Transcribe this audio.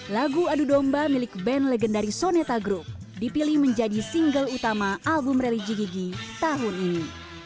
lagu adu domba milik band legendaris soneta group dipilih menjadi single utama album religi gigi tahun ini